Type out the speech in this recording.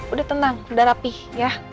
udah tenang udah rapih ya